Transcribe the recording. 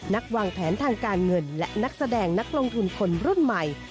วางแผนทางการเงินและนักแสดงนักลงทุนคนรุ่นใหม่